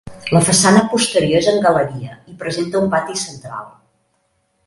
La façana posterior és en galeria i presenta un pati central.